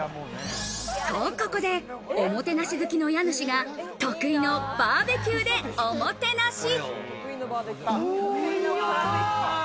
と、ここで、おもてなし好きの家主が得意のバーベキューでおもてなし。